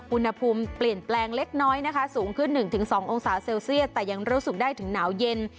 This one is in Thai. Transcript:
อุณหภูมิเปลี่ยนแปลงเล็กน้อยนะคะสูงขึ้น๑๒องศาเซลเซียสแต่ยังรู้สึกได้ถึงหนาวเย็น